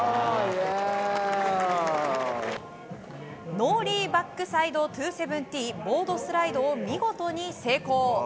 ノーリーバックサイド２７０ボードスライドを見事に成功。